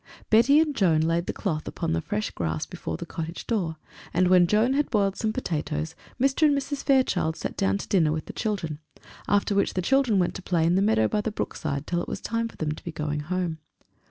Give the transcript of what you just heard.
Betty and Joan laid the cloth upon the fresh grass before the cottage door, and when Joan had boiled some potatoes, Mr. and Mrs. Fairchild sat down to dinner with the children, after which the children went to play in the meadow by the brookside till it was time for them to be going home.